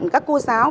các cô giáo